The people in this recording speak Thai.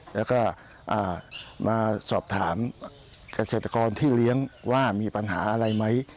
แล้วก็มาสอบถามเกษตรกรที่เลี้ยงว่ามีปัญหาอะไรไหม